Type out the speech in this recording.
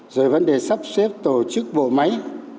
rồi vấn đề sắp xếp tổ chức bộ máy